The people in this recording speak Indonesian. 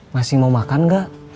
masih mau makan gak